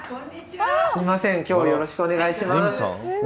すいません今日はよろしくお願いします。